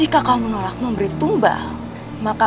kau harus memutuskanku